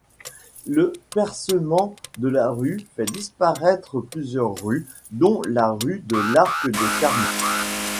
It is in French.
Le percement de la rue fait disparaître plusieurs rues, dont la rue de l'Arc-des-Carmes.